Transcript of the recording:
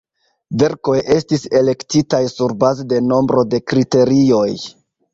Verkoj estis elektitaj surbaze de nombro de kriterioj.